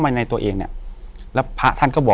อยู่ที่แม่ศรีวิรัยยิวยวลครับ